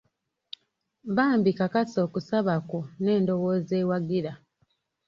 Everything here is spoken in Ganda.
Bambi kakasa okusaba kwo n'endowooza ewagira.